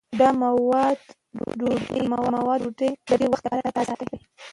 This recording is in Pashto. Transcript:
دا مواد ډوډۍ د ډېر وخت لپاره تازه ساتي.